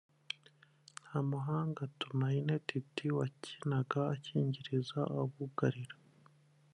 Ntamuhanga Thumaine Tity wakinaga akingiriza abugarira